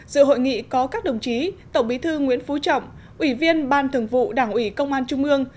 dự hội nghị có các đồng chí tổng bí thư nguyễn phú trọng ủy viên ban thường vụ đảng ủy công an trung ương